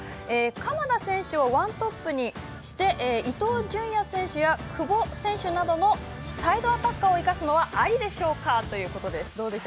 鎌田選手をワントップにして伊東純也選手や久保選手などサイドアタッカーを生かすのはありでしょうか？ということです。